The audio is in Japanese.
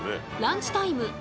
ランチタイム